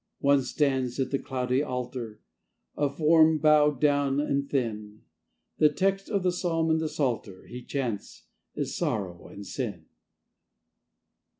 One stands at the cloudy altar, A form bowed down and thin; The text of the psalm in the psalter He chants is sorrow and sin.